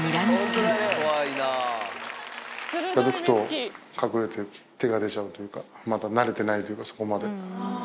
近づくと、隠れて手が出ちゃうというか、まだなれてないというか、そこまで。